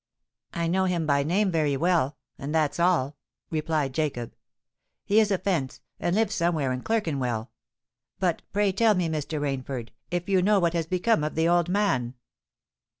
"I know him by name very well—and that's all," replied Jacob. "He is a fence, and lives somewhere in Clerkenwell. But pray tell me, Mr. Rainford, if you know what has become of the old man."